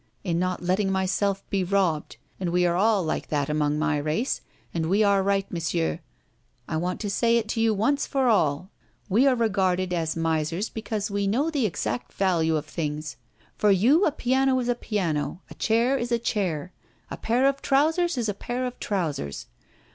In not letting myself be robbed. And we are all like that among my race, and we are right, Monsieur. I want to say it to you once for all. We are regarded as misers because we know the exact value of things. For you a piano is a piano, a chair is a chair, a pair of trousers is a pair of trousers.